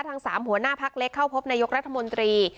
ทั้ง๓หัวหน้าพักเล็กเข้าพบนายกรัฐมนตรี